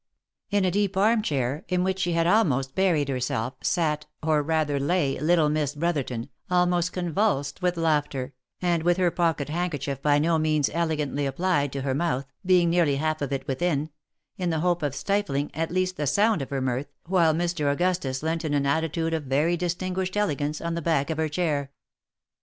65 In a deep arm chair, in which she had almost buried herself, sat, or rather lay, little Miss Brotherton, almost convulsed with laughter, and with her pocket handkerchief by no means elegantly applied to her mouth (being nearly half of it within it), in the hope of stifling, at least, the sound of her mirth, while Mr. Augustus leant in an attitude of very distinguished elegance on the back of her chair.